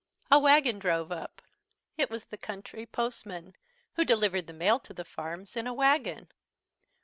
A wagon drove up. It was the country postman, who delivered the mail to the farms, in a wagon.